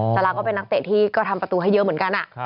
สาราก็เป็นนักเตะที่ก็ทำประตูให้เยอะเหมือนกัน